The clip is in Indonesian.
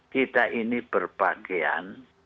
kita ini berpakaian